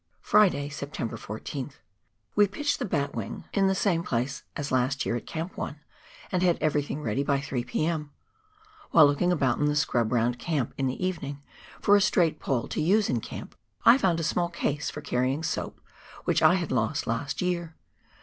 Friday, September 14:th. — We pitched the batwing in the IGO PIONEER WORK IN THE ALPS OF NEW ZEALAND. same place as last year at Camp 1, and had everything ready by 3 P.M. While looking about in the scrub round camp in the evening for a straight pole to use in camp, I found a small case for carrying soap, which I had lost last year.